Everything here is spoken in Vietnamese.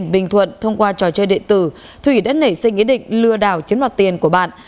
bình thuận thông qua trò chơi địa tử thủy đã nảy sinh ý định lừa đảo chiếm đoạt tiền của bạn